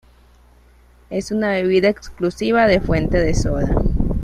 Es una bebida exclusiva de fuente de soda.